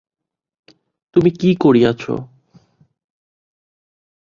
তুমি কী করিয়াছ?